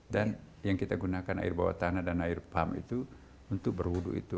dan yang kita gunakan air bawah tanah dan air pump itu untuk berwuduk itu